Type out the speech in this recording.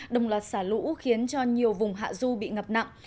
đồng loạt xả lũ khiến cho nhiều vùng hạ du bị ngập nặng